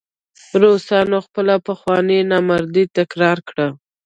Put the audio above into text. روسانو خپله پخوانۍ نامردي تکرار کړه.